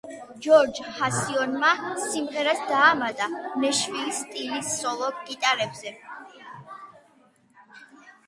ჯორჯ ჰარისონმა სიმღერას დაამატა ნეშვილის სტილის სოლო გიტარაზე.